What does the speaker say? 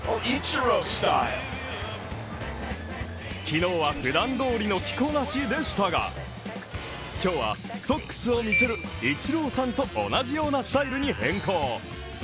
昨日は普段通りの着こなしでしたが、今日はソックスを見せるイチローさんと同じようなスタイルに変更。